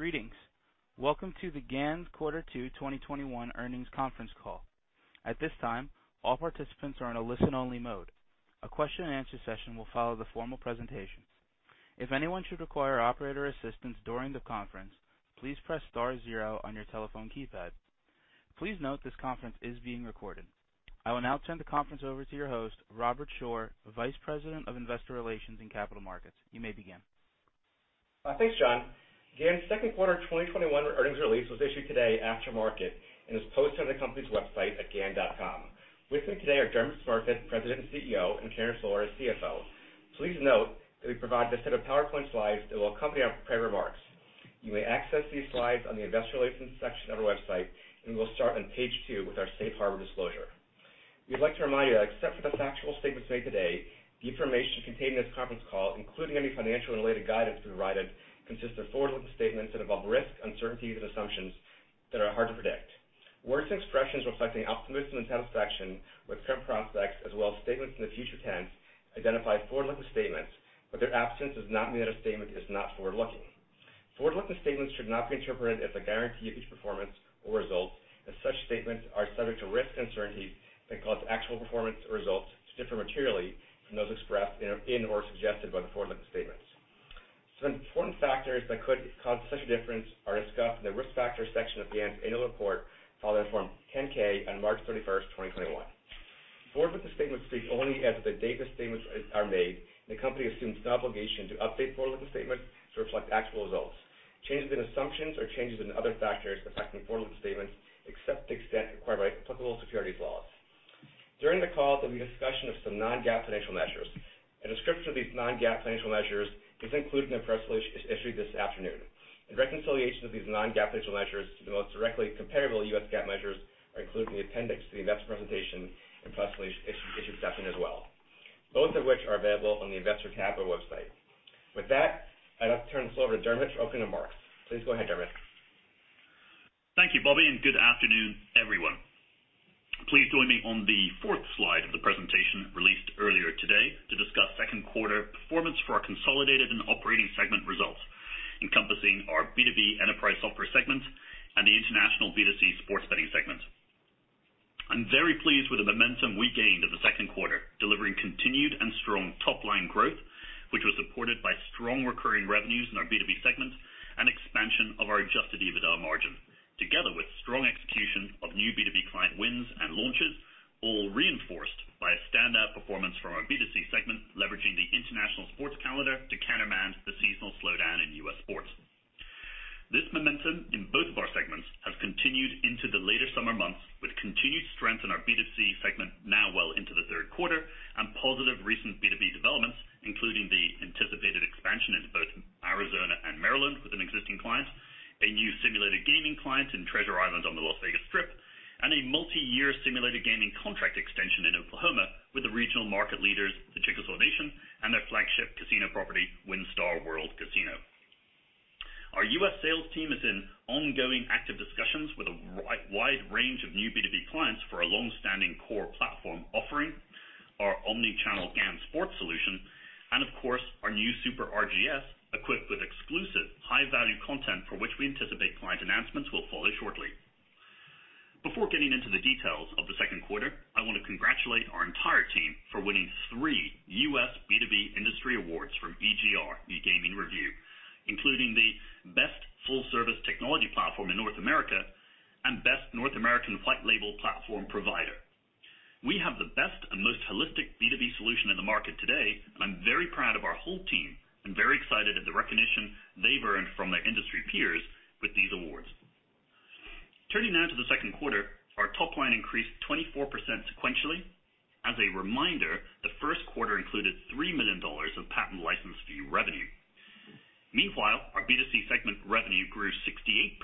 Greetings. Welcome to the GAN's Quarter 2 2021 Earnings Conference Call. At this time, all participants are in a listen-only mode. A question and answer session will follow the formal presentations. If anyone should require operator assistance during the conference, please press star zero on your telephone keypad. Please note this conference is being recorded. I will now turn the conference over to your host, Robert Shore, Vice President of Investor Relations and Capital Markets. You may begin. Thanks, John. GAN's second quarter 2021 earnings release was issued today after market and is posted on the company's website at gan.com. With me today are Dermot Smurfit, President and CEO, and Karen Flores, CFO. Please note that we provide this set of PowerPoint slides that will accompany our prepared remarks. You may access these slides on the investor relations section of our website, and we'll start on page two with our safe harbor disclosure. We'd like to remind you that except for the factual statements made today, the information contained in this conference call, including any financial and related guidance we provided, consists of forward-looking statements that involve risks, uncertainties, and assumptions that are hard to predict. Words and expressions reflecting optimism and satisfaction with current prospects as well as statements in the future tense identify forward-looking statements, but their absence does not mean that a statement is not forward-looking. Forward-looking statements should not be interpreted as a guarantee of future performance or results, as such statements are subject to risks and uncertainties that cause actual performance or results to differ materially from those expressed in or suggested by the forward-looking statements. Some important factors that could cause such a difference are discussed in the Risk Factors section of GAN's annual report, filed in Form 10-K on March 31st, 2021. Forward-looking statements speak only as of the date the statements are made. The company assumes no obligation to update forward-looking statements to reflect actual results, changes in assumptions or changes in other factors affecting forward-looking statements, except to the extent required by applicable securities laws. During the call, there will be a discussion of some non-GAAP financial measures. A description of these non-GAAP financial measures is included in the press release issued this afternoon. A reconciliation of these non-GAAP financial measures to the most directly comparable US GAAP measures are included in the appendix to the investor presentation and press release issued today as well, both of which are available on the Investor capital website. With that, I'd like to turn this over to Dermot to open the remarks. Please go ahead, Dermot. Thank you, [Robert], and good afternoon, everyone. Please join me on the fourth slide of the presentation released earlier today to discuss second quarter performance for our consolidated and operating segment results, encompassing our B2B enterprise software segment and the international B2C sports betting segment. I'm very pleased with the momentum we gained in the second quarter, delivering continued and strong top-line growth, which was supported by strong recurring revenues in our B2B segment and expansion of our adjusted EBITDA margin, together with strong execution of new B2B client wins and launches, all reinforced by a standout performance from our B2C segment, leveraging the international sports calendar to countermand the seasonal slowdown in U.S. sports. This momentum in both of our segments has continued into the later summer months, with continued strength in our B2C segment now well into the third quarter and positive recent B2B developments, including the anticipated expansion into both Arizona and Maryland with an existing client, a new simulated gaming client in Treasure Island on the Las Vegas Strip, and a multi-year simulated gaming contract extension in Oklahoma with the regional market leaders, the Chickasaw Nation, and their flagship casino property, WinStar World Casino. Our U.S. sales team is in ongoing active discussions with a wide range of new B2B clients for our longstanding core platform offering, our omni-channel GAN Sports solution, and of course, our new Super RGS, equipped with exclusive high-value content for which we anticipate client announcements will follow shortly. Before getting into the details of the second quarter, I want to congratulate our entire team for winning 3 U.S. B2B industry awards from EGR, eGaming Review, including the Best Full Service Technology Platform in North America and Best North American White Label Platform Provider. We have the best and most holistic B2B solution in the market today, and I'm very proud of our whole team and very excited at the recognition they've earned from their industry peers with these awards. Turning now to the second quarter, our top line increased 24% sequentially. As a reminder, the first quarter included $3 million of patent license fee revenue. Meanwhile, our B2C segment revenue grew 68%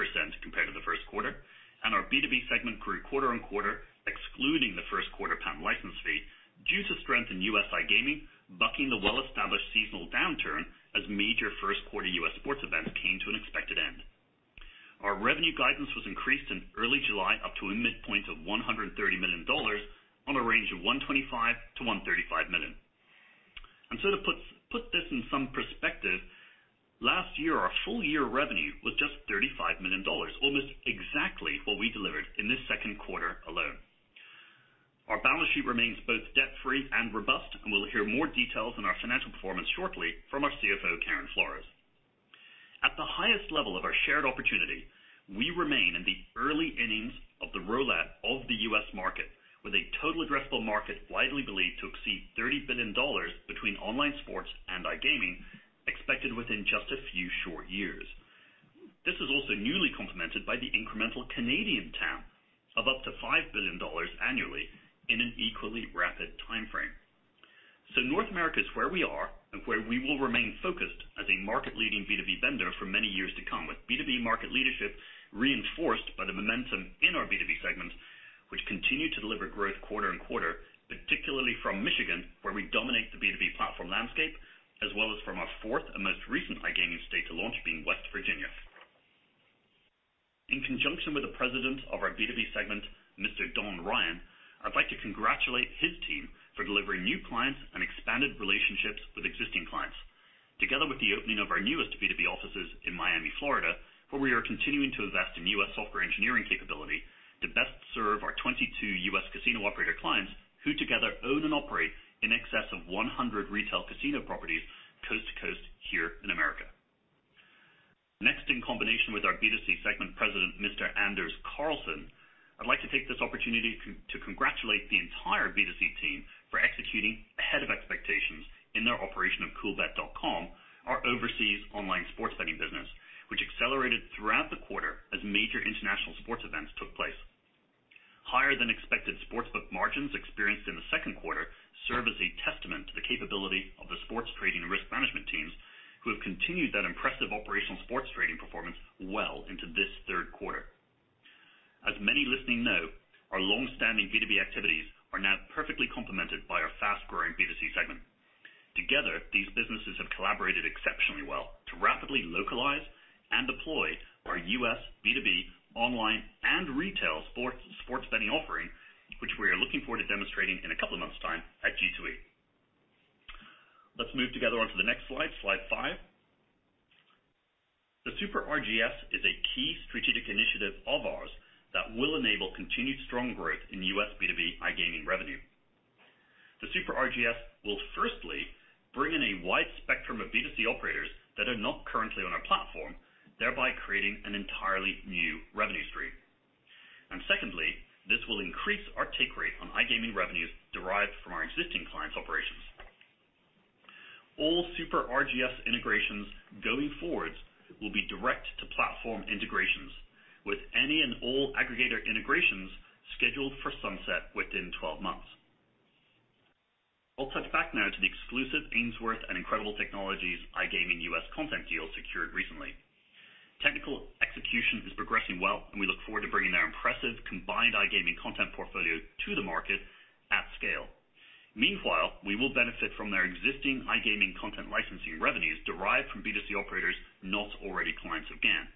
compared to the first quarter, and our B2B segment grew quarter-on-quarter, excluding the first quarter patent license fee, due to strength in U.S. iGaming bucking the well-established seasonal downturn as major first quarter U.S. sports events came to an expected end. Our revenue guidance was increased in early July up to a midpoint of $130 million on a range of $125 million-$135 million. To put this in some perspective, last year, our full year revenue was just $35 million, almost exactly what we delivered in this second quarter alone. Our balance sheet remains both debt-free and robust, and we'll hear more details on our financial performance shortly from our CFO, Karen Flores. At the highest level of our shared opportunity, we remain in the early innings of the rollout of the U.S. market with a total addressable market widely believed to exceed $30 billion between online sports and iGaming, expected within just a few short years. This is also newly complemented by the incremental Canadian TAM of up to $5 billion annually in an equally rapid timeframe. North America is where we are and where we will remain focused as a market-leading B2B vendor for many years to come, with B2B market leadership reinforced by the momentum in our B2B segment, which continued to deliver growth quarter-on-quarter, particularly from Michigan, where we dominate the B2B platform landscape, as well as from our fourth and most recent iGaming state to launch, being West Virginia. In conjunction with the President of our B2B segment, Mr. Don Ryan, I'd like to congratulate his team for delivering new clients and expanded relationships with existing clients. Together with the opening of our newest B2B offices in Miami, Florida, where we are continuing to invest in U.S. software engineering capability to best serve our 22 U.S. casino operator clients who together own and operate in excess of 100 retail casino properties coast to coast here in America. Next, in combination with our B2C segment President, Mr. Anders Karlsen, I'd like to take this opportunity to congratulate the entire B2C team for executing ahead of expectations in their operation of coolbet.com, our overseas online sports betting business, which accelerated throughout the quarter as major international sports events took place. Higher than expected sportsbook margins experienced in the second quarter serve as a testament to the capability of the sports trading and risk management teams, who have continued that impressive operational sports trading performance well into this third quarter. As many listening know, our longstanding B2B activities are now perfectly complemented by our fast-growing B2C segment. Together, these businesses have collaborated exceptionally well to rapidly localize and deploy our U.S. B2B online and retail sports betting offering, which we are looking forward to demonstrating in a couple of months' time at G2E. Let's move together onto the next slide 5. The Super RGS is a key strategic initiative of ours that will enable continued strong growth in U.S. B2B iGaming revenue. The Super RGS will firstly bring in a wide spectrum of B2C operators that are not currently on our platform, thereby creating an entirely new revenue stream. Secondly, this will increase our take rate on iGaming revenues derived from our existing clients' operations. All Super RGS integrations going forwards will be direct to platform integrations with any and all aggregator integrations scheduled for sunset within 12 months. I'll touch back now to the exclusive Ainsworth and Incredible Technologies iGaming U.S. content deal secured recently. Technical execution is progressing well, and we look forward to bringing their impressive combined iGaming content portfolio to the market at scale. Meanwhile, we will benefit from their existing iGaming content licensing revenues derived from B2C operators not already clients of GAN.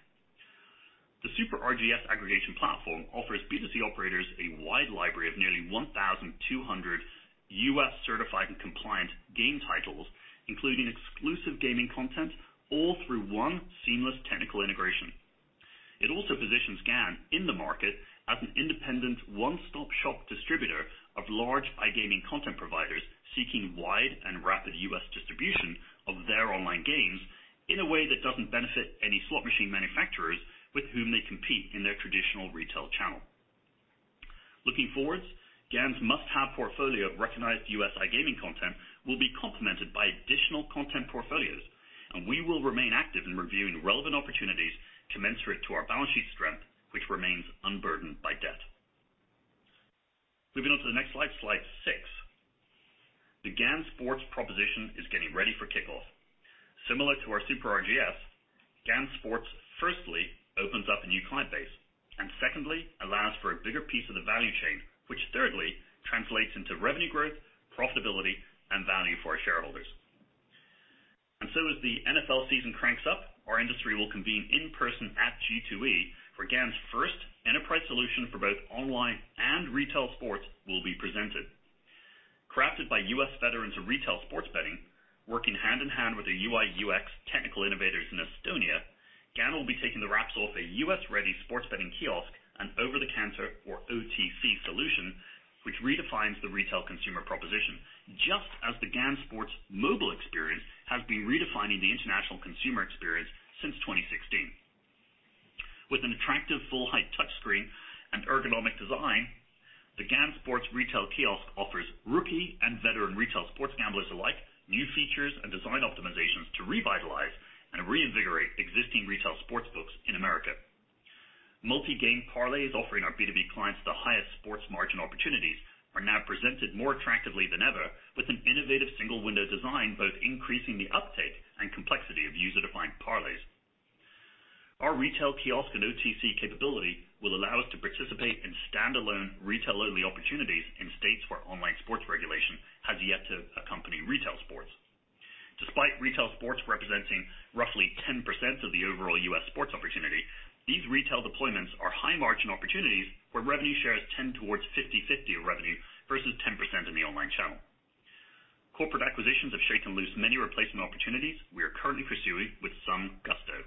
The Super RGS aggregation platform offers B2C operators a wide library of nearly 1,200 U.S.-certified and compliant game titles, including exclusive gaming content all through one seamless technical integration. It also positions GAN in the market as an independent one-stop shop distributor of large iGaming content providers seeking wide and rapid U.S. distribution of their online games in a way that doesn't benefit any slot machine manufacturers with whom they compete in their traditional retail channel. Looking forwards, GAN's must-have portfolio of recognized U.S. iGaming content will be complemented by additional content portfolios, and we will remain active in reviewing relevant opportunities commensurate to our balance sheet strength, which remains unburdened by debt. Moving on to the next slide 6. The GAN Sports proposition is getting ready for kickoff. Similar to our Super RGS, GAN Sports firstly opens up a new client base and secondly, allows for a bigger piece of the value chain, which thirdly, translates into revenue growth, profitability, and value for our shareholders. As the NFL season cranks up, our industry will convene in person at G2E, where GAN's first enterprise solution for both online and retail sports will be presented. Crafted by U.S. veterans of retail sports betting, working hand in hand with the UI/UX technical innovators in Estonia, GAN will be taking the wraps off a U.S.-ready sports betting kiosk, an over-the-counter or OTC solution which redefines the retail consumer proposition, just as the GAN Sports mobile experience has been redefining the international consumer experience since 2016. With an attractive full-height touch screen and ergonomic design, the GAN Sports retail kiosk offers rookie and veteran retail sports gamblers alike new features and design optimizations to revitalize and reinvigorate existing retail sports books in America. Multi-game parlays offering our B2B clients the highest sports margin opportunities are now presented more attractively than ever with an innovative single-window design, both increasing the uptake and complexity of user-defined parlays. Our retail kiosk and OTC capability will allow us to participate in standalone retail-only opportunities in states where online sports regulation has yet to accompany retail sports. Despite retail sports representing roughly 10% of the overall U.S. sports opportunity, these retail deployments are high-margin opportunities where revenue shares tend towards 50/50 of revenue versus 10% in the online channel. Corporate acquisitions have shaken loose many replacement opportunities we are currently pursuing with some gusto.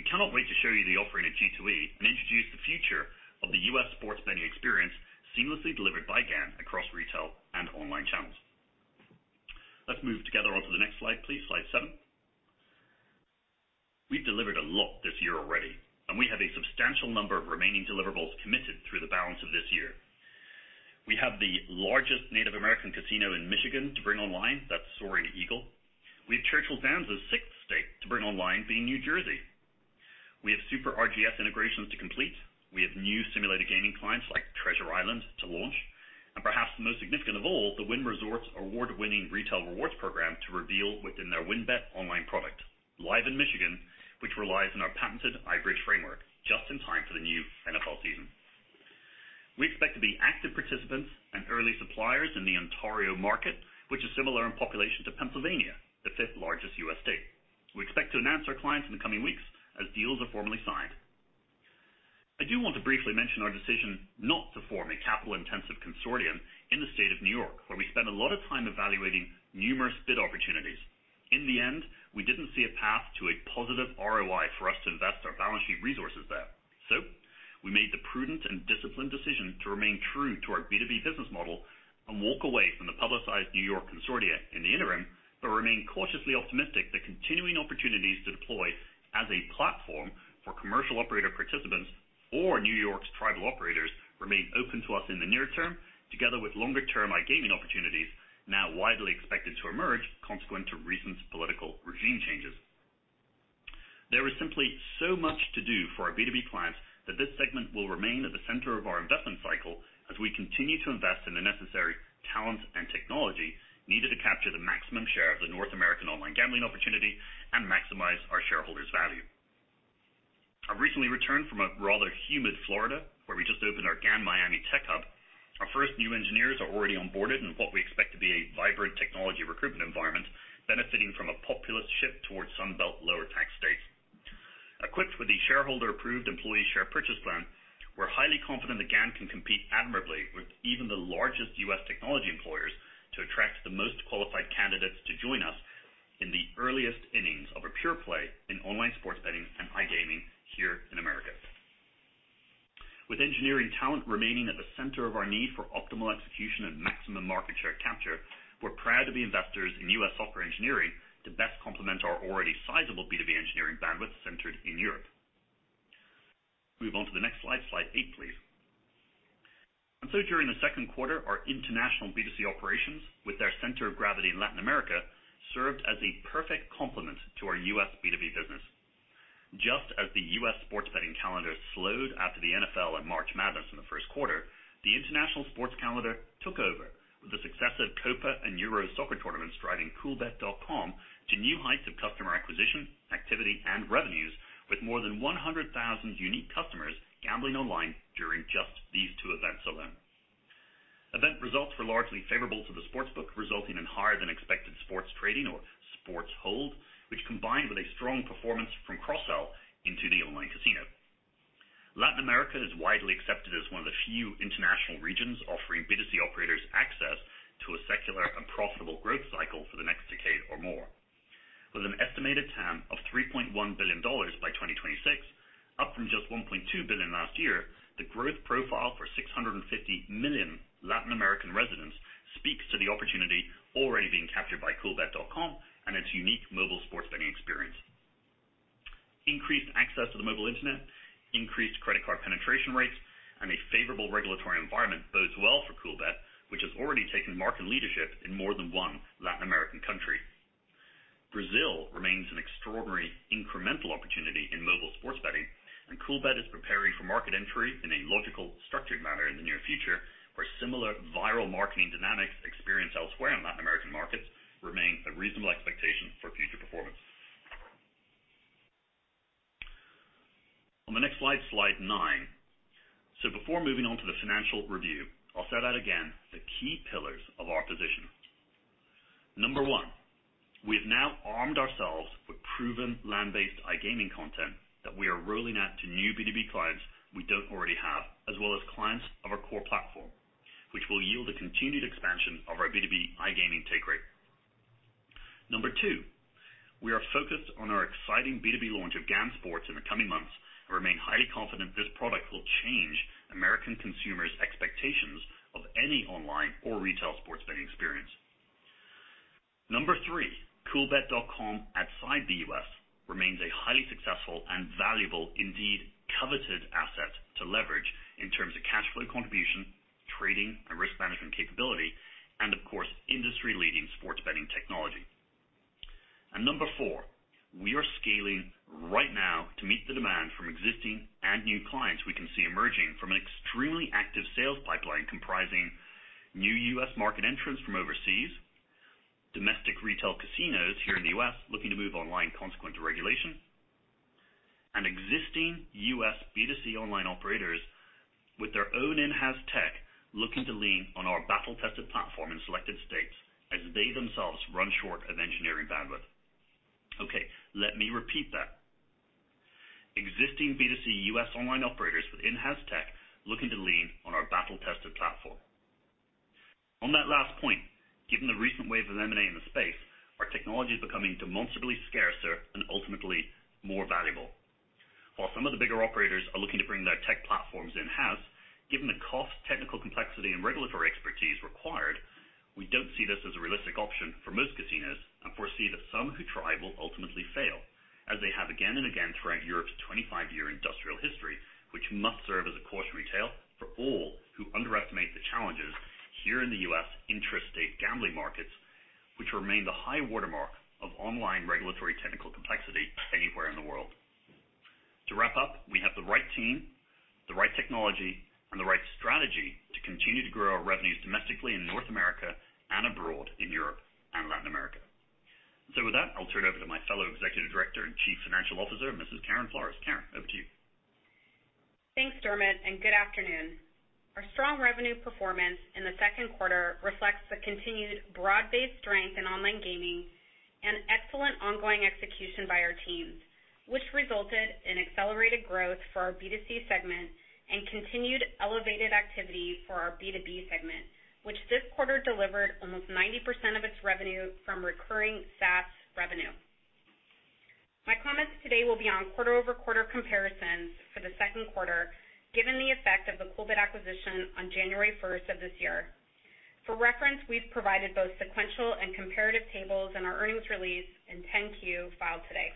We cannot wait to show you the offering at G2E and introduce the future of the U.S. sports betting experience seamlessly delivered by GAN across retail and online channels. Let's move together onto the next slide, please. Slide 7. We've delivered a lot this year already, and we have a substantial number of remaining deliverables committed through the balance of this year. We have the largest Native American casino in Michigan to bring online. That's Soaring Eagle. We have Churchill Downs' 6th state to bring online, being New Jersey. We have Super RGS integrations to complete. We have new simulated gaming clients like Treasure Island to launch. Perhaps the most significant of all, the Wynn Resorts award-winning retail rewards program to reveal within their WynnBET online product, live in Michigan, which relies on our patented iBridge framework just in time for the new NFL season. We expect to be active participants and early suppliers in the Ontario market, which is similar in population to Pennsylvania, the fifth-largest U.S. state. We expect to announce our clients in the coming weeks as deals are formally signed. I do want to briefly mention our decision not to form a capital-intensive consortium in the state of New York, where we spent a lot of time evaluating numerous bid opportunities. In the end, we didn't see a path to a positive ROI for us to invest our balance sheet resources there. We made the prudent and disciplined decision to remain true to our B2B business model and walk away from the publicized New York consortia in the interim, but remain cautiously optimistic that continuing opportunities to deploy as a platform for commercial operator participants or New York's tribal operators remain open to us in the near term, together with longer-term iGaming opportunities, now widely expected to emerge consequent to recent political regime changes. There is simply so much to do for our B2B clients that this segment will remain at the center of our investment cycle as we continue to invest in the necessary talent and technology needed to capture the maximum share of the North American online gambling opportunity and maximize our shareholders' value. I've recently returned from a rather humid Florida, where we just opened our GAN Miami Tech Hub. Our first new engineers are already onboarded in what we expect to be a vibrant technology recruitment environment, benefiting from a populist shift towards Sun Belt lower tax states. Equipped with the shareholder-approved employee share purchase plan, we're highly confident that GAN can compete admirably with even the largest U.S. technology employers to attract the most qualified candidates to join us in the earliest innings of a pure-play in online sports betting and iGaming here in America. With engineering talent remaining at the center of our need for optimal execution and maximum market share capture, we're proud to be investors in U.S. software engineering to best complement our already sizable B2B engineering bandwidth centered in Europe. Move on to the next slide. Slide 8, please. During the second quarter, our international B2C operations, with their center of gravity in Latin America, served as a perfect complement to our U.S. B2B business. Just as the U.S. sports betting calendar slowed after the NFL and March Madness in the first quarter, the international sports calendar took over with the successive Copa and Euro soccer tournaments, driving coolbet.com to new heights of customer acquisition, activity, and revenues with more than 100,000 unique customers gambling online during just these two events alone. Event results were largely favorable to the sportsbook, resulting in higher-than-expected sports trading or sports hold, which combined with a strong performance from cross-sell into the online casino. Latin America is widely accepted as one of the few international regions offering B2C operators access to a secular and profitable growth cycle for the next decade or more. With an estimated TAM of $3.1 billion by 2026, up from just $1.2 billion last year, the growth profile for 650 million Latin American residents speaks to the opportunity already being captured by coolbet.com and its unique mobile sports betting experience. Increased access to the mobile internet, increased credit card penetration rates, and a favorable regulatory environment bodes well for Coolbet, which has already taken market leadership in more than one Latin American country. Brazil remains an extraordinary incremental opportunity in mobile sports betting, and Coolbet is preparing for market entry in a logical, structured manner in the near future, where similar viral marketing dynamics experienced elsewhere in Latin American markets remain a reasonable expectation for future performance. On the next slide 9. Before moving on to the financial review, I'll set out again the key pillars of our position. Number one, we have now armed ourselves with proven land-based iGaming content that we are rolling out to new B2B clients we don't already have, as well as clients of our core platform, which will yield a continued expansion of our B2B iGaming take rate. Number two, we are focused on our exciting B2B launch of GAN Sports in the coming months and remain highly confident this product will change American consumers' expectations of any online or retail sports betting experience. Number three, coolbet.com outside the U.S. remains a highly successful and valuable, indeed coveted asset to leverage in terms of cash flow contribution, trading, and risk management capability, and of course, industry-leading sports betting technology. Number 4, we are scaling right now to meet the demand from existing and new clients we can see emerging from an extremely active sales pipeline comprising new U.S. market entrants from overseas, domestic retail casinos here in the U.S. looking to move online consequent to regulation, and existing U.S. B2C online operators with their own in-house tech looking to lean on our battle-tested platform in selected states as they themselves run short of engineering bandwidth. Okay, let me repeat that. Existing B2C U.S. online operators with in-house tech looking to lean on our battle-tested platform. On that last point, given the recent wave of M&A in the space, our technology is becoming demonstrably scarcer and ultimately more valuable. While some of the bigger operators are looking to bring their tech platforms in-house, given the cost, technical complexity, and regulatory expertise required, we don't see this as a realistic option for most casinos and foresee that some who try will ultimately fail, as they have again and again throughout Europe's 25-year industrial history, which must serve as a cautionary tale for all who underestimate the challenges here in the U.S. interstate gambling markets, which remain the high watermark of online regulatory technical complexity anywhere in the world. To wrap up, we have the right team, the right technology, and the right strategy to continue to grow our revenues domestically in North America and abroad in Europe and Latin America. With that, I'll turn it over to my fellow Executive Director and Chief Financial Officer, Mrs. Karen Flores. Karen, over to you. Thanks, Dermot. Good afternoon. Our strong revenue performance in the second quarter reflects the continued broad-based strength in online gaming and excellent ongoing execution by our teams, which resulted in accelerated growth for our B2C segment and continued elevated activity for our B2B segment, which this quarter delivered almost 90% of its revenue from recurring SaaS revenue. My comments today will be on quarter-over-quarter comparisons for the second quarter, given the effect of the Coolbet acquisition on January 1st of this year. For reference, we've provided both sequential and comparative tables in our earnings release and 10-Q filed today.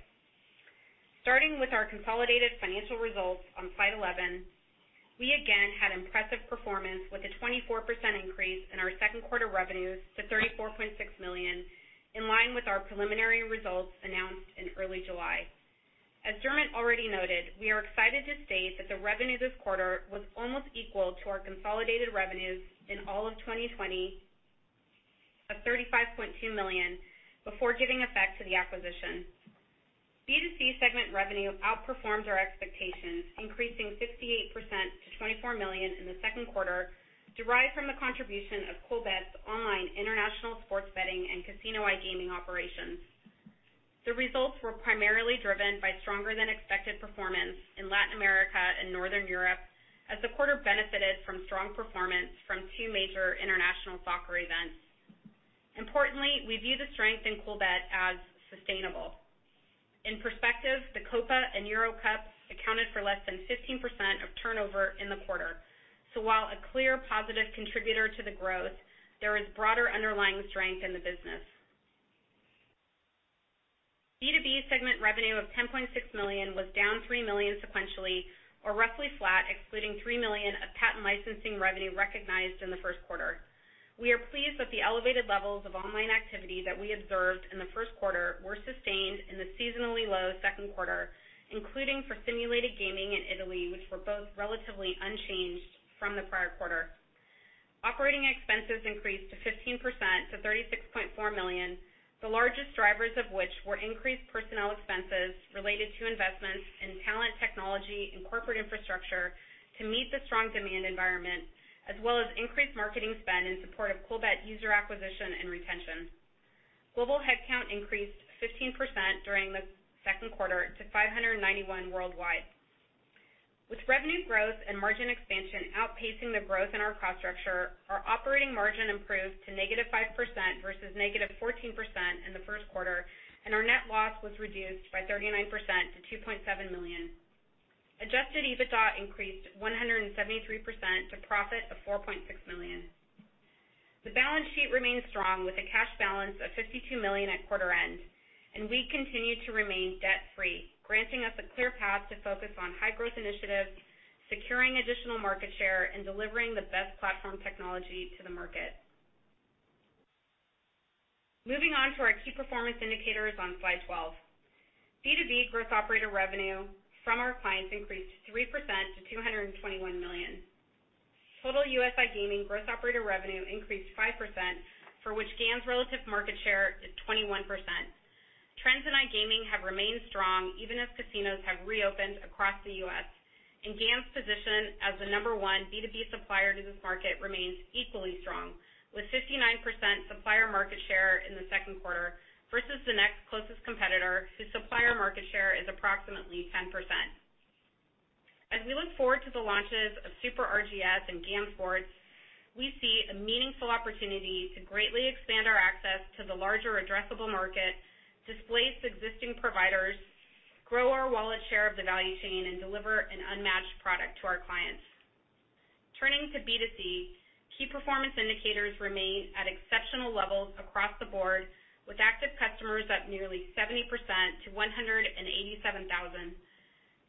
Starting with our consolidated financial results on slide 11, we again had impressive performance with a 24% increase in our second quarter revenues to $34.6 million, in line with our preliminary results announced in early July. As Dermot already noted, we are excited to state that the revenue this quarter was almost equal to our consolidated revenues in all of 2020 of $35.2 million before giving effect to the acquisition. B2C segment revenue outperformed our expectations, increasing 58% to $24 million in the second quarter, derived from the contribution of Coolbet's online international sports betting and casino iGaming operations. The results were primarily driven by stronger than expected performance in Latin America and Northern Europe as the quarter benefited from strong performance from 2 major international soccer events. Importantly, we view the strength in Coolbet as sustainable. In perspective, the Copa and Euro Cup accounted for less than 15% of turnover in the quarter. While a clear positive contributor to the growth, there is broader underlying strength in the business. B2B segment revenue of $10.6 million was down $3 million sequentially or roughly flat, excluding $3 million of patent licensing revenue recognized in the first quarter. We are pleased that the elevated levels of online activity that we observed in the first quarter were sustained in the seasonally low second quarter, including for simulated gaming in Italy, which were both relatively unchanged from the prior quarter. Operating expenses increased to 15% to $36.4 million, the largest drivers of which were increased personnel expenses related to investments in talent, technology, and corporate infrastructure to meet the strong demand environment as well as increased marketing spend in support of Coolbet user acquisition and retention. Global headcount increased 15% during the second quarter to 591 worldwide. With revenue growth and margin expansion outpacing the growth in our cost structure, our operating margin improved to -5% versus -14% in the first quarter, and our net loss was reduced by 39% to $2.7 million. Adjusted EBITDA increased 173% to profit of $4.6 million. The balance sheet remains strong with a cash balance of $52 million at quarter end, and we continue to remain debt-free, granting us a clear path to focus on high-growth initiatives, securing additional market share, and delivering the best platform technology to the market. Moving on to our Key Performance Indicators on slide 12. B2B gross operator revenue from our clients increased 3% to $221 million. Total U.S. iGaming gross operator revenue increased 5%, for which GAN's relative market share is 21%. Trends in iGaming have remained strong even as casinos have reopened across the U.S. GAN's position as the number 1 B2B supplier to this market remains equally strong with 59% supplier market share in the second quarter versus the next closest competitor, whose supplier market share is approximately 10%. As we look forward to the launches of Super RGS and GAN Sports, we see a meaningful opportunity to greatly expand our access to the larger addressable market, displace existing providers, grow our wallet share of the value chain, and deliver an unmatched product to our clients. Turning to B2C, Key Performance Indicators remain at exceptional levels across the board, with active customers up nearly 70% to 187,000.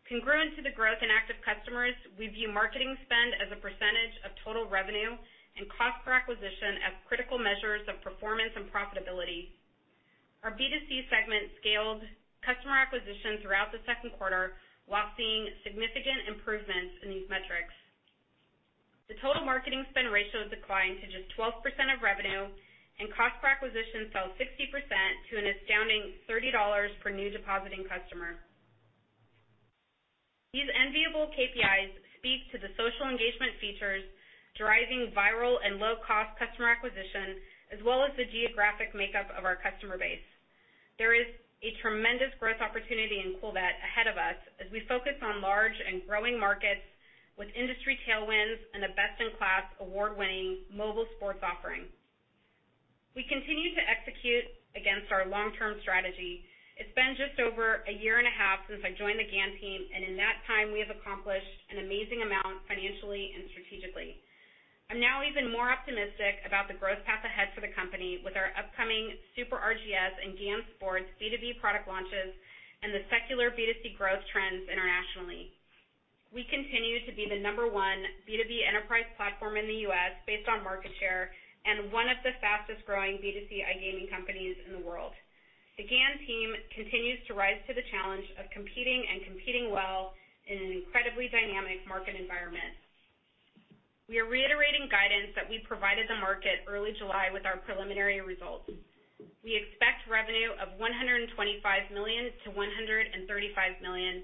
Congruent to the growth in active customers, we view marketing spend as a percentage of total revenue and cost per acquisition as critical measures of performance and profitability. Our B2C segment scaled customer acquisition throughout the second quarter while seeing significant improvements in these metrics. The total marketing spend ratio declined to just 12% of revenue, and cost per acquisition fell 60% to an astounding $30 per new depositing customer. These enviable KPIs speak to the social engagement features driving viral and low-cost customer acquisition as well as the geographic makeup of our customer base. There is a tremendous growth opportunity in Coolbet ahead of us as we focus on large and growing markets with industry tailwinds and a best-in-class, award-winning mobile sports offering. We continue to execute against our long-term strategy. It's been just over one and a half years since I joined the GAN team, and in that time we have accomplished an amazing amount financially and strategically. I'm now even more optimistic about the growth path ahead for the company with our upcoming Super RGS and GAN Sports B2B product launches and the secular B2C growth trends internationally. We continue to be the number one B2B enterprise platform in the U.S. based on market share and one of the fastest-growing B2C iGaming companies in the world. The GAN team continues to rise to the challenge of competing and competing well in an incredibly dynamic market environment. We are reiterating guidance that we provided the market early July with our preliminary results. We expect revenue of $125 million-$135 million.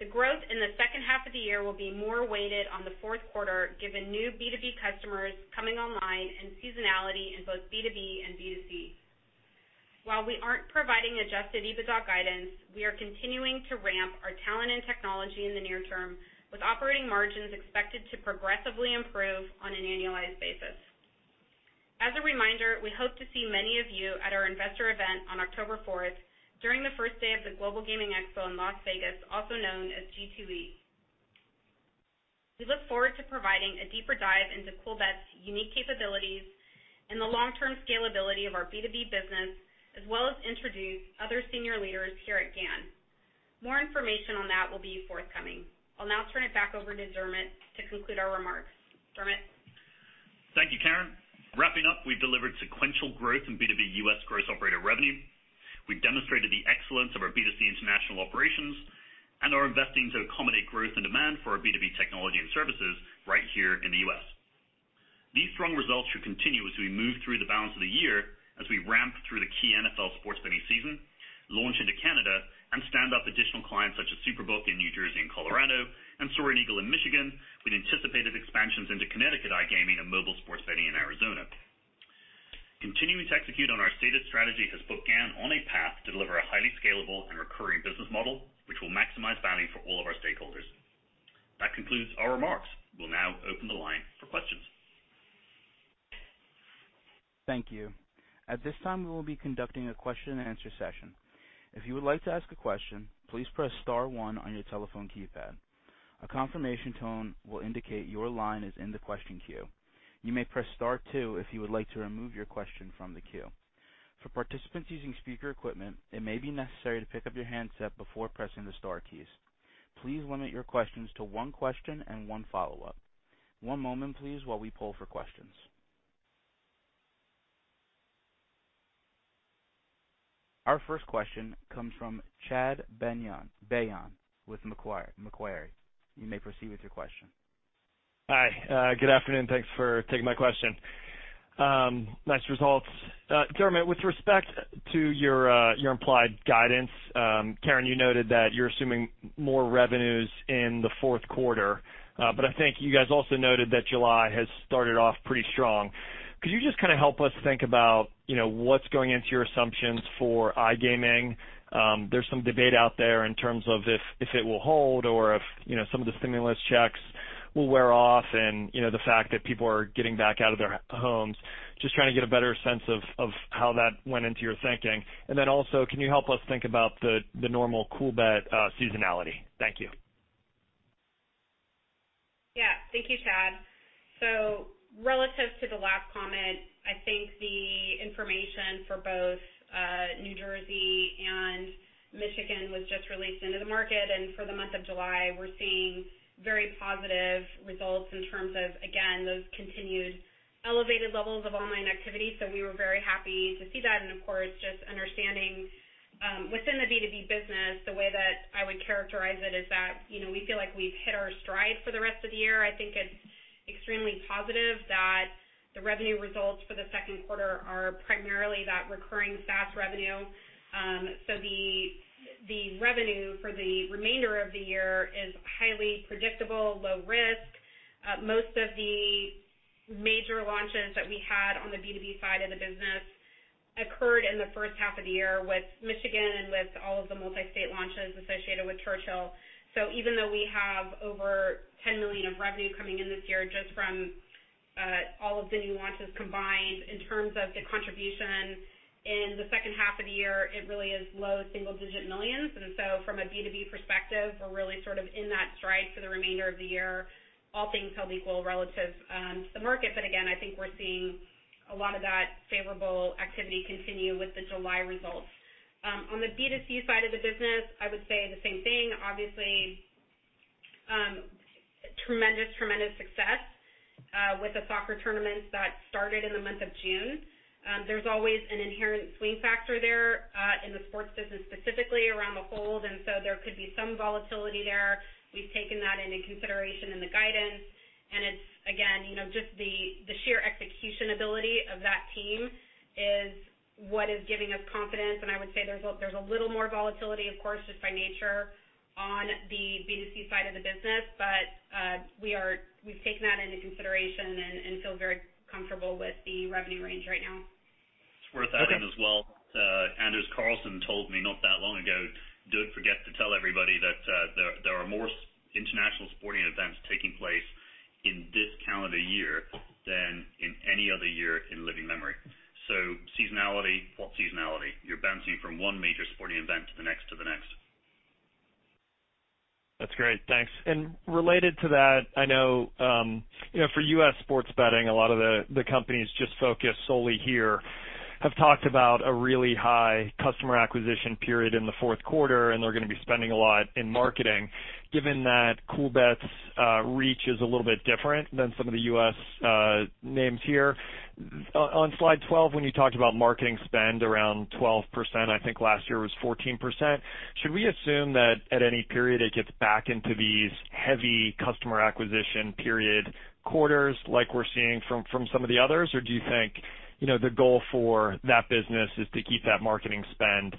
The growth in the second half of the year will be more weighted on the fourth quarter, given new B2B customers coming online and seasonality in both B2B and B2C. While we aren't providing adjusted EBITDA guidance, we are continuing to ramp our talent and technology in the near term, with operating margins expected to progressively improve on an annualized basis. As a reminder, we hope to see many of you at our investor event on October 4th, during the first day of the Global Gaming Expo in Las Vegas, also known as G2E. We look forward to providing a deeper dive into Coolbet's unique capabilities and the long-term scalability of our B2B business, as well as introduce other senior leaders here at GAN. More information on that will be forthcoming. I'll now turn it back over to Dermot to conclude our remarks. Dermot? Thank you, Karen. Wrapping up, we've delivered sequential growth in B2B U.S. gross operator revenue. We've demonstrated the excellence of our B2C international operations and are investing to accommodate growth and demand for our B2B technology and services right here in the U.S. These strong results should continue as we move through the balance of the year, as we ramp through the key NFL sports betting season, launch into Canada, and stand up additional clients such as SuperBook in New Jersey and Colorado, and Soaring Eagle in Michigan, with anticipated expansions into Connecticut iGaming and mobile sports betting in Arizona. Continuing to execute on our stated strategy has put GAN on a path to deliver a highly scalable and recurring business model, which will maximize value for all of our stakeholders. That concludes our remarks. We'll now open the line for questions. Thank you. At this time, we will be conducting a question and answer session. Please limit your questions to one question and one follow-up. One moment, please, while we poll for questions. Our first question comes from Chad Beynon with Macquarie. You may proceed with your question. Hi. Good afternoon. Thanks for taking my question. Nice results. Dermot, with respect to your implied guidance, Karen, you noted that you're assuming more revenues in the fourth quarter. I think you guys also noted that July has started off pretty strong. Could you just kind of help us think about what's going into your assumptions for iGaming? There's some debate out there in terms of if it will hold or if some of the stimulus checks will wear off and the fact that people are getting back out of their homes. Just trying to get a better sense of how that went into your thinking. Then also, can you help us think about the normal Coolbet seasonality? Thank you. Thank you, Chad. Relative to the last comment, I think the information for both New Jersey and Michigan was just released into the market. For the month of July, we're seeing very positive results in terms of, again, those continued elevated levels of online activity. We were very happy to see that, and of course, just understanding within the B2B business, the way that I would characterize it is that, we feel like we've hit our stride for the rest of the year. I think it's extremely positive that the revenue results for the second quarter are primarily that recurring SaaS revenue. The revenue for the remainder of the year is highly predictable, low risk. Most of the major launches that we had on the B2B side of the business occurred in the first half of the year with Michigan and with all of the multi-state launches associated with Churchill. Even though we have over $10 million of revenue coming in this year just from all of the new launches combined, in terms of the contribution in the second half of the year, it really is low single digit millions. From a B2B perspective, we're really sort of in that stride for the remainder of the year, all things held equal relative to the market. Again, I think we're seeing a lot of that favorable activity continue with the July results. On the B2C side of the business, I would say the same thing. Obviously, tremendous success with the soccer tournaments that started in the month of June. There's always an inherent swing factor there in the sports business, specifically around the hold, there could be some volatility there. We've taken that into consideration in the guidance, it's, again, just the sheer execution ability of that team is what is giving us confidence. I would say there's a little more volatility, of course, just by nature on the B2C side of the business. We've taken that into consideration and feel very comfortable with the revenue range right now. It's worth adding as well, Anders Karlsen told me not that long ago, "Don't forget to tell everybody that there are more international sporting events taking place in this calendar year than in any other year in living memory." Seasonality, what seasonality? You're bouncing from one major sporting event to the next, to the next. That's great. Thanks. Related to that, I know, for U.S. sports betting, a lot of the companies just focused solely here have talked about a really high customer acquisition period in the fourth quarter, and they're going to be spending a lot in marketing. Given that Coolbet's reach is a little bit different than some of the U.S. names here, on slide 12, when you talked about marketing spend around 12%, I think last year was 14%, should we assume that at any period it gets back into these heavy customer acquisition period quarters like we're seeing from some of the others, or do you think, the goal for that business is to keep that marketing spend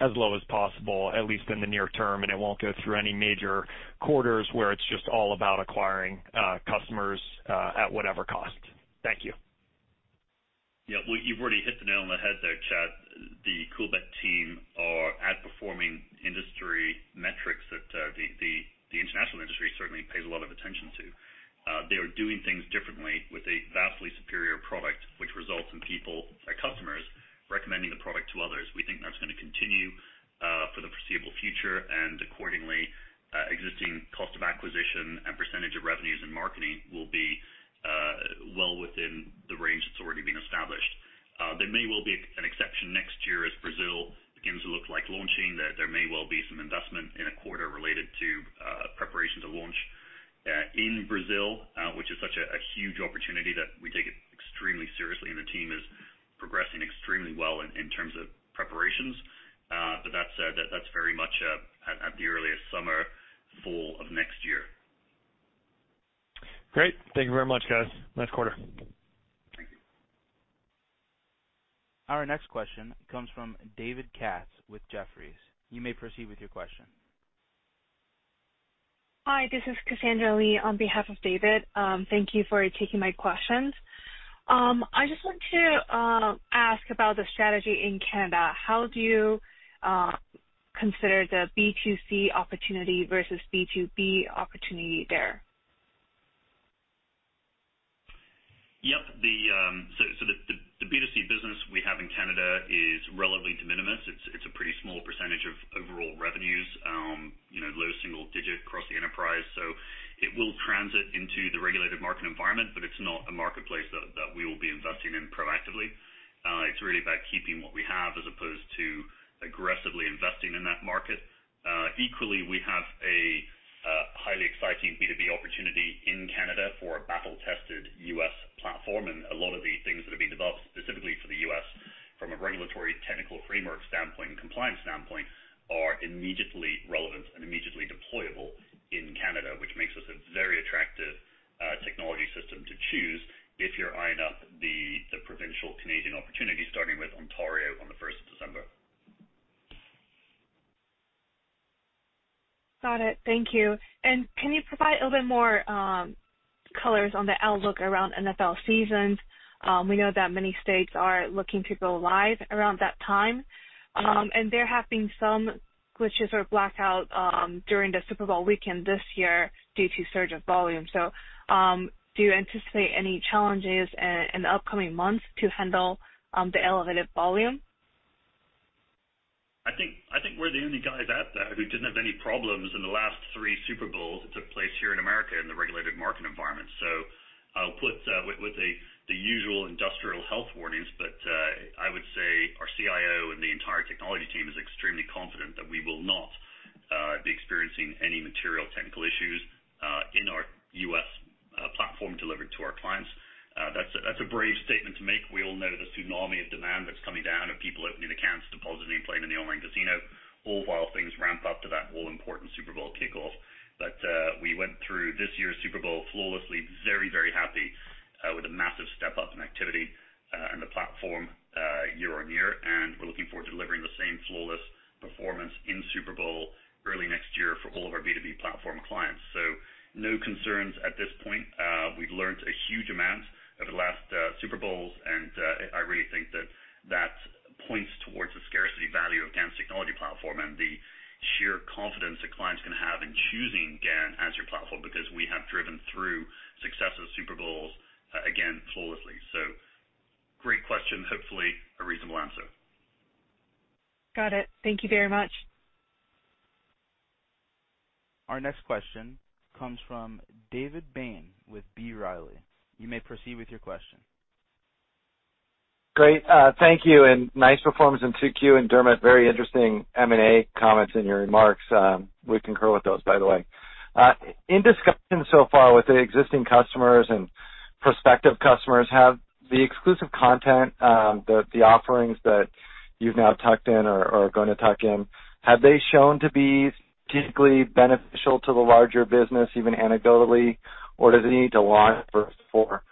as low as possible, at least in the near term, and it won't go through any major quarters where it's just all about acquiring customers at whatever cost? Thank you. Yeah. Well, you've already hit the nail on the head there, Chad. The Coolbet team are outperforming industry metrics that the international industry certainly pays a lot of attention to. They are doing things differently with a vastly superior product, which results in people, our customers, recommending the product to others. We think that's going to continue for the foreseeable future, and accordingly, existing cost of acquisition and percentage of revenues in marketing will be well within the range that's already been established. There may well be an exception next year as Brazil begins to look like launching. There may well be some investment in a quarter related to preparation to launch in Brazil, which is such a huge opportunity that we take it extremely seriously, and the team is progressing extremely well in terms of preparations. That's very much at the earliest summer, fall of next year. Great. Thank you very much, guys. Nice quarter. Thank you. Our next question comes from David Katz with Jefferies. You may proceed with your question. Hi, this is Cassandra Lee on behalf of David. Thank you for taking my questions. I just want to ask about the strategy in Canada. How do you consider the B2C opportunity versus B2B opportunity there? Yep. The B2C business we have in Canada is relatively de minimis. It's a pretty small percentage of overall revenues, low single digit across the enterprise. It will transit into the regulated market environment, but it's not a marketplace that we will be investing in proactively. It's really about keeping what we have as opposed to aggressively investing in that market. Equally, we have a highly exciting B2B opportunity in Canada for a battle-tested U.S. platform, and a lot of the things that have been developed specifically for the U.S. from a regulatory technical framework standpoint and compliance standpoint are immediately relevant and immediately deployable in Canada, which makes us a very attractive technology system to choose if you're eyeing up the provincial Canadian opportunities, starting with Ontario on the 1st of December. Got it. Thank you. Can you provide a little bit more colors on the outlook around NFL seasons? We know that many states are looking to go live around that time. There have been some glitches or blackout during the Super Bowl weekend this year due to surge of volume. Do you anticipate any challenges in the upcoming months to handle the elevated volume? I think we're the only guys out there who didn't have any problems in the last three Super Bowls that took place here in the U.S. in the regulated market environment. I'll put with the usual industrial health warnings, but I would say our CIO and the entire technology team is extremely confident that we will not be experiencing any material technical issues in our U.S. platform delivery to our clients. That's a brave statement to make. We all know the tsunami of demand that's coming down of people opening accounts, depositing, playing in the online casino, all while things ramp up to that all-important Super Bowl kickoff. We went through this year's Super Bowl flawlessly, very happy with a massive step-up in activity in the platform year-over-year, and we're looking forward to delivering the same flawless performance in Super Bowl early next year for all of our B2B platform clients. No concerns at this point. We've learned a huge amount over the last Super Bowls, and I really think that points towards the scarcity value of GAN's technology platform and the sheer confidence that clients can have in choosing GAN as your platform because we have driven through successive Super Bowls, again, flawlessly. Great question, hopefully a reasonable answer. Got it. Thank you very much. Our next question comes from David Bain with B. Riley. You may proceed with your question. Great. Thank you, and nice performance in 2Q. Dermot, very interesting M&A comments in your remarks. We concur with those, by the way. In discussion so far with the existing customers and prospective customers, have the exclusive content, the offerings that you've now tucked in or are going to tuck in, have they shown to be particularly beneficial to the larger business, even anecdotally, or does it need to launch first before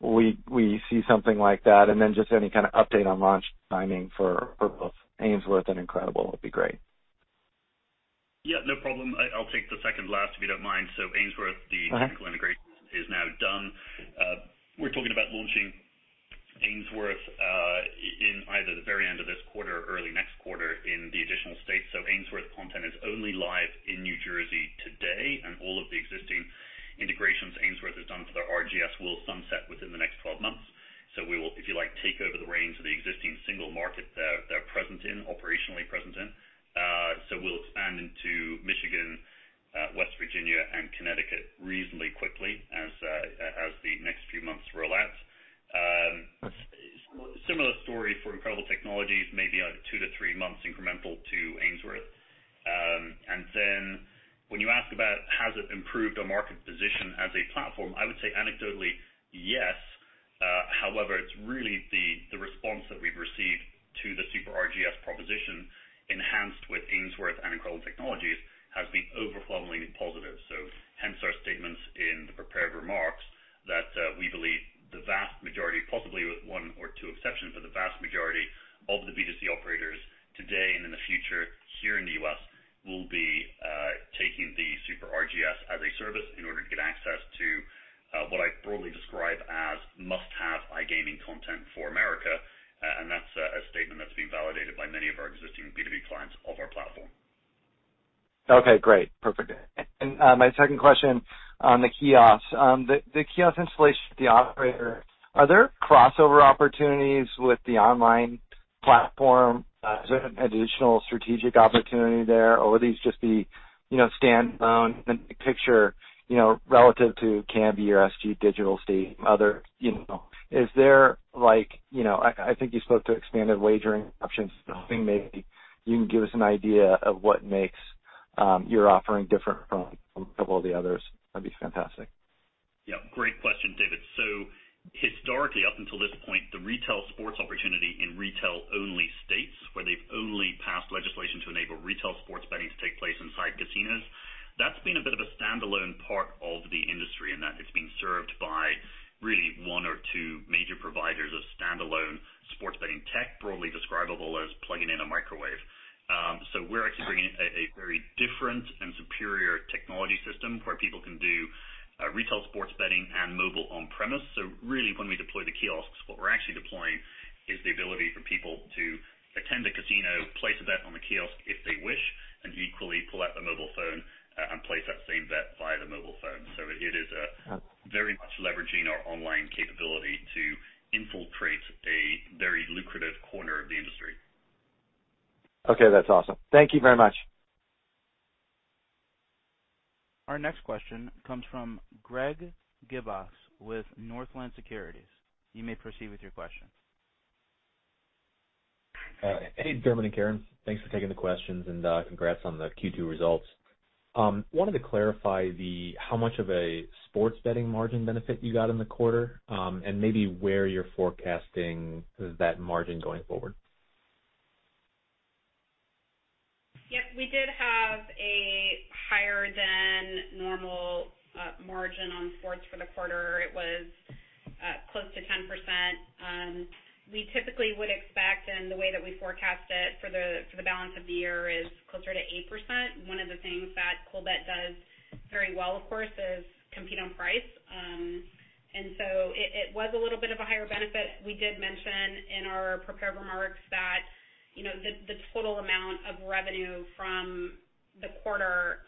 we see something like that? Then just any kind of update on launch timing for both Ainsworth and Incredible would be great. Yeah, no problem. I'll take the second-last, if you don't mind. The technical integration is now done. We're talking about launching Ainsworth in either the very end of this quarter or early next quarter in the additional states. Ainsworth content is only live in New Jersey today, and all of the existing say anecdotally, your offering different from a couple of the others. That'd be fantastic. Yeah, great question, David. Historically, up until this point, the retail sports opportunity in retail-only states, where they've only passed legislation to enable retail sports betting to take place inside casinos, that's been a bit of a standalone part of the industry in that it's been served by really one or two major providers of standalone sports betting tech, broadly describable as plugging in a microwave. We're actually bringing a very different and superior technology system where people can do retail sports betting and mobile on-premise. Really, when we deploy the kiosks, what we're actually deploying is the ability for people to attend a casino, place a bet on the kiosk if they wish, and equally pull out their mobile phone and place that same bet via the mobile phone. It is very much leveraging our online capability to infiltrate a very lucrative corner of the industry. Okay, that's awesome. Thank you very much. Our next question comes from Greg Gibas with Northland Securities. You may proceed with your question. Hey, Dermot and Karen. Thanks for taking the questions and congrats on the Q2 results. Wanted to clarify how much of a sports betting margin benefit you got in the quarter, and maybe where you're forecasting that margin going forward. Yep. We did have a higher than normal margin on sports for the quarter. It was close to 10%. We typically would expect, and the way that we forecast it for the balance of the year, is closer to 8%. One of the things that Coolbet does very well, of course, is compete on price. It was a little bit of a higher benefit. We did mention in our prepared remarks that the total amount of revenue from the quarter,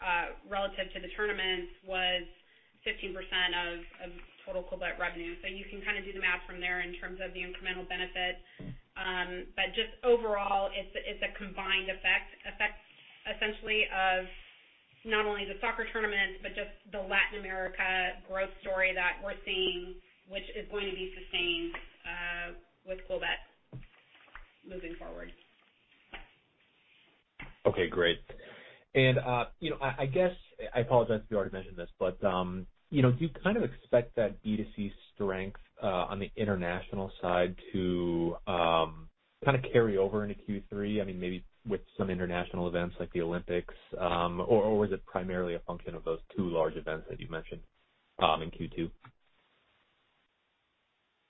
relative to the tournaments, was 15% of total Coolbet revenue. You can do the math from there in terms of the incremental benefit. Just overall, it's a combined effect, essentially, of not only the soccer tournament, but just the Latin America growth story that we're seeing, which is going to be sustained with Coolbet moving forward. Okay, great. I apologize if you already mentioned this, but do you expect that B2C strength on the international side to carry over into Q3, maybe with some international events like the Olympics? Or was it primarily a function of those two large events that you mentioned in Q2?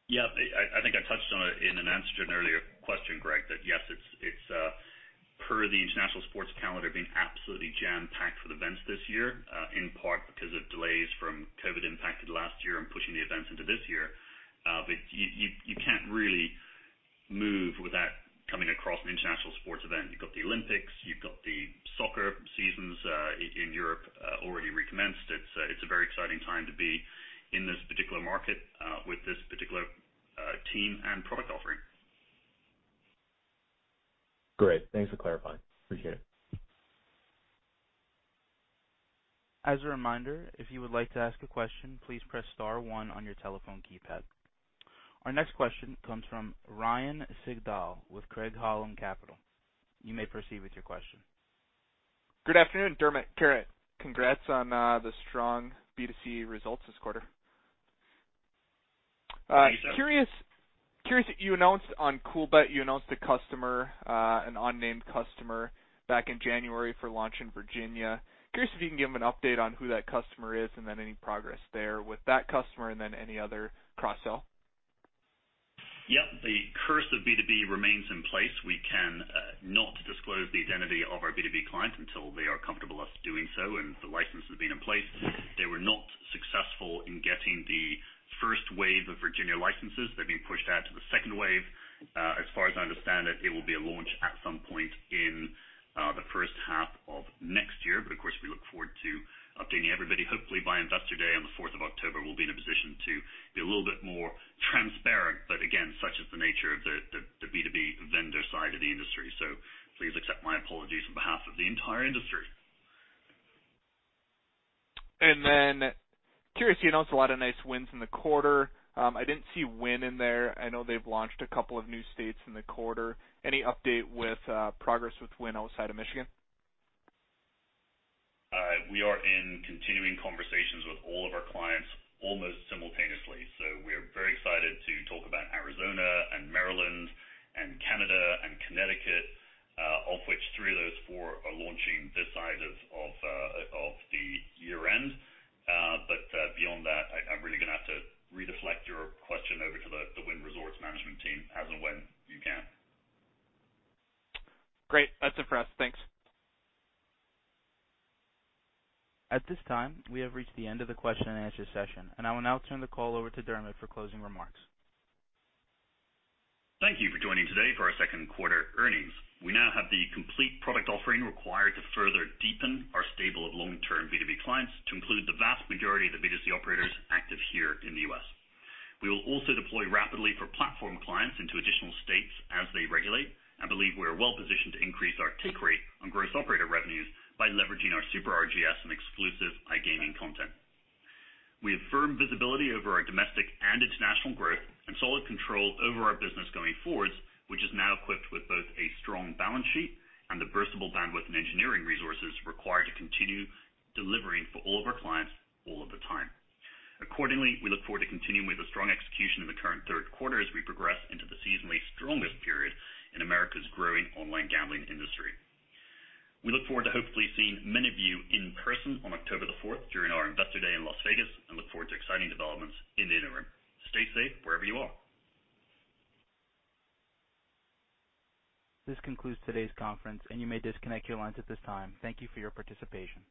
Yeah. I think I touched on it in an answer to an earlier question, Greg, that, yes, it's per the international sports calendar being absolutely jam-packed with events this year, in part because of delays from COVID impacted last year and pushing the events into this year. You can't really move without coming across an international sports event. You've got the Olympics, you've got the soccer seasons in Europe already recommenced. It's a very exciting time to be in this particular market with this particular team and product offering. Great. Thanks for clarifying. Appreciate it. As a reminder, if you would like to ask a question, please press star 1 on your telephone keypad. Our next question comes from Ryan Sigdahl with Craig-Hallum Capital. You may proceed with your question. Good afternoon, Dermot, Karen. Congrats on the strong B2C results this quarter. Thank you, sir. Curious, you announced on Coolbet, you announced a customer, an unnamed customer, back in January for launch in Virginia. Curious if you can give them an update on who that customer is, and then any progress there with that customer, and then any other cross-sell? Yep. The curse of B2B remains in place. We cannot disclose the identity of our B2B client until they are comfortable us doing so and the license has been in place. They were not successful in getting the first wave of Virginia licenses. They've been pushed out. Second wave, as far as I understand it will be a launch at some point in the first half of next year. Of course, we look forward to updating everybody. Hopefully by Investor Day on the fourth of October, we'll be in a position to be a little bit more transparent. Again, such is the nature of the B2B vendor side of the industry. Please accept my apologies on behalf of the entire industry. Curious, you announced a lot of nice wins in the quarter. I didn't see Wynn in there. I know they've launched a couple of new states in the quarter. Any update with progress with Wynn outside of Michigan? We are in continuing conversations with all of our clients almost simultaneously. We are very excited to talk about Arizona and Maryland and Canada and Connecticut, of which three of those four are launching this side of the year-end. Beyond that, I'm really going to have to redirect your question over to the Wynn Resorts management team as and when you can. Great. That's it for us. Thanks. At this time, we have reached the end of the question and answer session, and I will now turn the call over to Dermot for closing remarks. Thank you for joining today for our second quarter earnings. We now have the complete product offering required to further deepen our stable of long-term B2B clients to include the vast majority of the B2C operators active here in the U.S. We will also deploy rapidly for platform clients into additional states as they regulate, and believe we are well positioned to increase our take rate on gross operator revenues by leveraging our Super RGS and exclusive iGaming content. We have firm visibility over our domestic and international growth and solid control over our business going forwards, which is now equipped with both a strong balance sheet and the burstable bandwidth and engineering resources required to continue delivering for all of our clients all of the time. Accordingly, we look forward to continuing with a strong execution in the current third quarter as we progress into the seasonally strongest period in America's growing online gambling industry. We look forward to hopefully seeing many of you in person on October the fourth during our Investor Day in Las Vegas and look forward to exciting developments in the interim. Stay safe wherever you are. This concludes today's conference, and you may disconnect your lines at this time. Thank you for your participation.